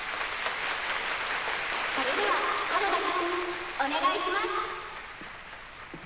それでは原田くんお願いします。